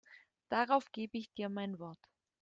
Darauf gebe ich dir mein Wort.